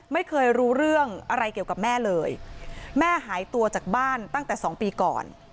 ไม่เคยรู้เรื่องอะไรเกี่ยวกับแม่เลยแม่หายตัวจากบ้านตั้งแต่สองปีก่อน